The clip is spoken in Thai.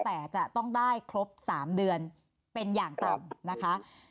แต่จะต้องได้ครบ๓เดือนเป็นอย่างต่ำนะคะ